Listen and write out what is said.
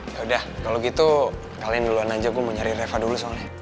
ya udah kalau gitu kalian duluan aja gue mau nyari reva dulu soalnya